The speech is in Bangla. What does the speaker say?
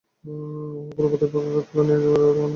অহ, পুরো পথ এভাবে ব্যাগ কোলে নিয়ে যাওয়া যাবে না।